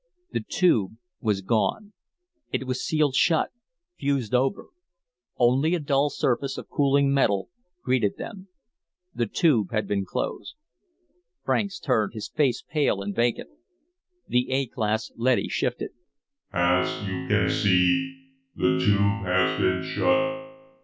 The Tube was gone. It was sealed shut, fused over. Only a dull surface of cooling metal greeted them. The Tube had been closed. Franks turned, his face pale and vacant. The A class leady shifted. "As you can see, the Tube has been shut.